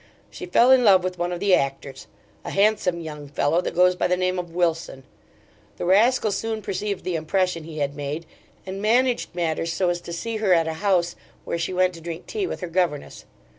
she fell in love with one of the actors a handsome young fellow that goes by the name of Wilson. The rascal soon perceived the impression he had made, and managed matters so as to see her at a house where she went to drink tea with her governess.